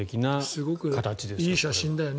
すごくいい写真だよね。